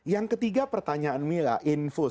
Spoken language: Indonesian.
yang ketiga pertanyaan ini